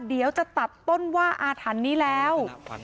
เดี๋ยวจะตัดต้นว่าอาถรรพ์นี้แล้ว